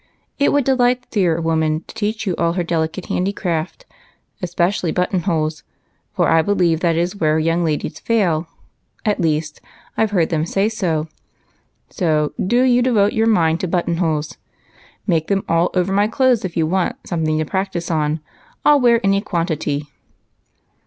It would delight the dear woman to teach you all her delicate handicraft, especially button holes, for I believe that is where young ladies fail ; at least I 've heard them say so. So, do you devote your mind to button holes ; make 'em all over my clothes if you want something to practice on. I '11 wear any quantity."